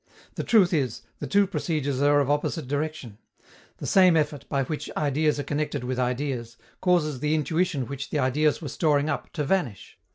The truth is, the two procedures are of opposite direction: the same effort, by which ideas are connected with ideas, causes the intuition which the ideas were storing up to vanish.